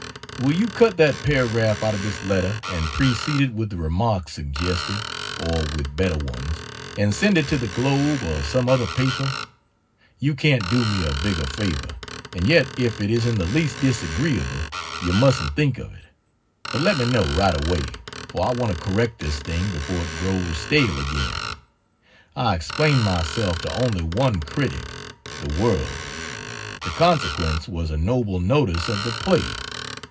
Will you cut that paragraph out of this letter and precede it with the remarks suggested (or with better ones,) and send it to the Globe or some other paper? You can't do me a bigger favor; and yet if it is in the least disagreeable, you mustn't think of it. But let me know, right away, for I want to correct this thing before it grows stale again. I explained myself to only one critic (the World) the consequence was a noble notice of the play.